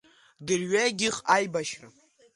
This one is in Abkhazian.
Дырҩегьых аибашьра…